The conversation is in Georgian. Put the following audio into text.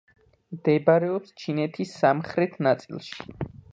მდებარეობს ჩინეთის სამხრეთ ნაწილში.